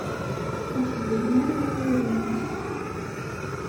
Ur qbilen ara warraw-nnes.